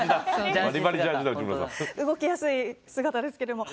動きやすい姿ですけど。